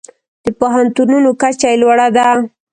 د پوهنتونونو کچه یې لوړه ده.